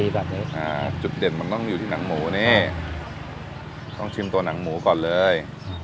แบบนี้ค่ะจุดเด่นมันต้องอยู่ที่หนังหมูนี่ต้องชิมตัวหนังหมูก่อนเลย